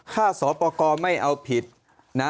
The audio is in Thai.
ข้าสอบปกอศาสตร์ไม่เอาผิดนะ